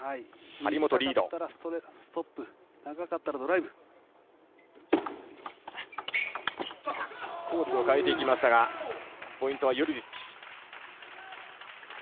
長かったらドライブ。コースを変えていきましたが、ポイントはヨルジッチ。